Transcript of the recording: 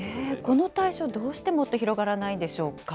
この対象、どうしてもっと広がらないんでしょうか？